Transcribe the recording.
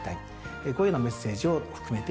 こういうようなメッセージを含めています。